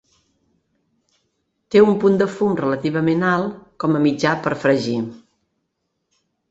Té un punt de fum relativament alt com a mitjà per fregir.